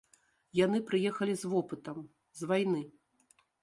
Яны прыехалі з вопытам, з вайны.